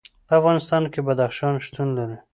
په افغانستان کې بدخشان شتون لري.